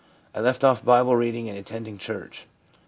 I left off Bible reading and attending church.